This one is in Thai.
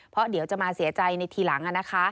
เพราะเดี๋ยวจะมาเสียใจในทีหลัง